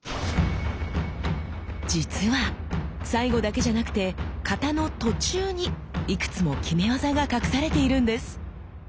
実は最後だけじゃなくて型の途中にいくつも決め技が隠されているんです。